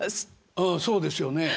ああそうですよね。